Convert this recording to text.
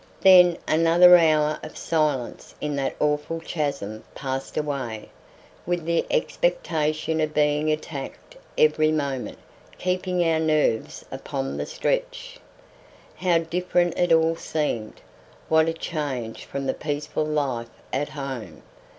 Then another hour of silence in that awful chasm passed away, with the expectation of being attacked every moment keeping our nerves upon the stretch. How different it all seemed, what a change from the peaceful life at home!